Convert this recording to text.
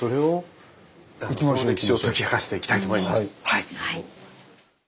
はい。